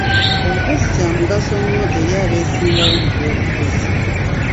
Obukozi Kya mugaso nnyo eri abesimbawo mu by'obufuzi.